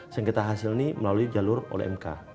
sengketa hasil ini melalui jalur oleh mk